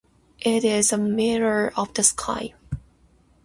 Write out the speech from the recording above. It is a mirror of the sky.